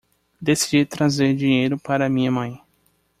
Decidi trazer dinheiro para minha mãe.